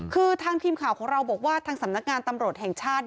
คือทางทีมข่าวของเราบอกว่าทางสำนักงานตำรวจแห่งชาติ